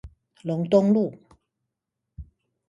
龍東路